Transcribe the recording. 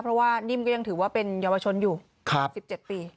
เพราะว่านิ่มก็ยังถือว่าเป็นเยาวชนอยู่๑๗ปี